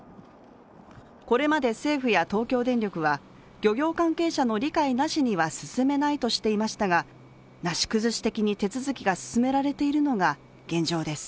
これまで政府や東京電力は、漁業関係者の理解なしには進めないとしていましたが、なし崩し的に手続きが進められているのが現状です。